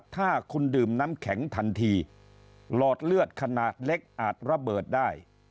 ถ้าคุณดื่มน้ำแข็งทันทีหลอดเลือดขนาดเล็กอาจระเบิดได้